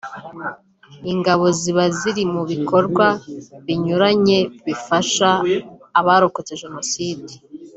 ingabo ziba ziri mu bikorwa binyuranye bifasha abarokotse jenoside